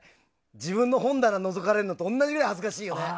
自分の本棚のぞかれるのと同じくらい恥ずかしいよね。